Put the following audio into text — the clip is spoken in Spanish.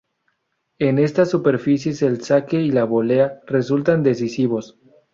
En estas superficies el saque y la volea resultan decisivos.